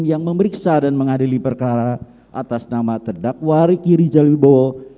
yang memeriksa dan mengadili perkara atas nama terdakwa diri jalibowo